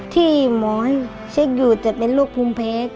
ที่หมอให้เช็คอยู่จะเป็นหลุ่กพุมเพค